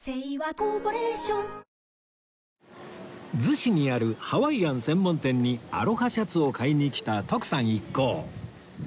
逗子にあるハワイアン専門店にアロハシャツを買いに来た徳さん一行